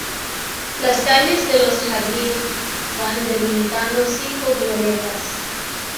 Las calles de los jardines van delimitando cinco glorietas.